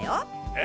え？